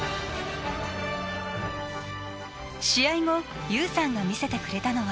試合後、優さんが見せてくれたのは。